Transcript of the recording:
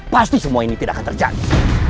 pasti semua ini tidak akan terjadi